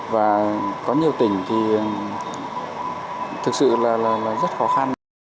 và có nhiều tỉnh thì thực sự là rất khó khăn